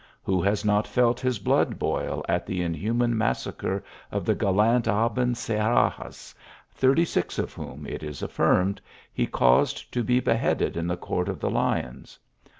Who has not felt his blood boil at the inhuman massacre of the gallant Abencerrages, thirty six of whom, it is af firmed, he caused to be beheaded in the Court of the Lions